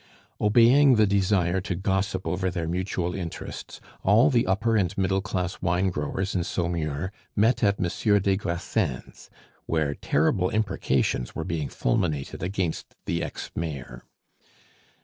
Obeying the desire to gossip over their mutual interests, all the upper and middle class wine growers in Saumur met at Monsieur des Grassins, where terrible imprecations were being fulminated against the ex mayor.